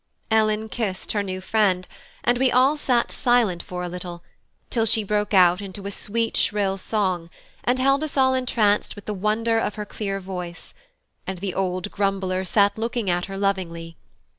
Ellen kissed her new friend, and we all sat silent for a little, till she broke out into a sweet shrill song, and held us all entranced with the wonder of her clear voice; and the old grumbler sat looking at her lovingly.